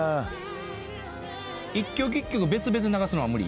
一曲一曲別々に流すのは無理？